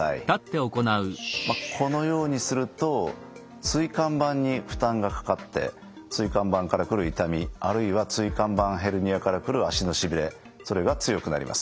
このようにすると椎間板に負担がかかって椎間板から来る痛みあるいは椎間板ヘルニアから来る脚のしびれそれが強くなります。